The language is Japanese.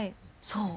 そう。